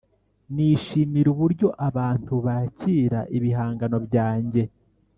nishimira uburyo abantu bakira ibihangano byange,